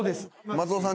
松尾さん